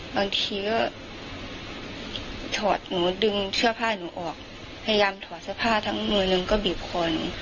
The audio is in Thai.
บางทีก็ถอดหนูดึงเสื้อผ้าหนูออกพยายามถอดเสื้อผ้าทั้งหน่วยหนึ่งก็บีบคอหนู